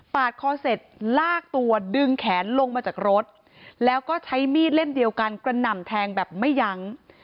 คอเสร็จลากตัวดึงแขนลงมาจากรถแล้วก็ใช้มีดเล่มเดียวกันกระหน่ำแทงแบบไม่ยั้ง